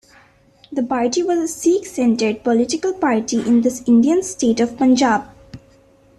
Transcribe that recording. The party was a Sikh-centered political party in the Indian state of Punjab.